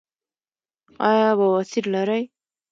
ایا بواسیر لرئ؟